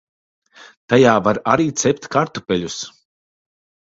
Tajā var arī cept kartupeļus.